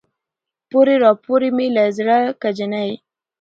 پورې راپورې مې له زړه که جينۍ